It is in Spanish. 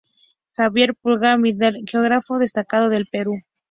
Javier Pulgar Vidal, geógrafo destacado del Perú.